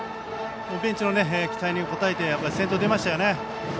ベンチの期待に応えて先頭出ましたよね。